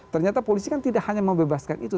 ternyata polisi kan tidak hanya membebaskan itu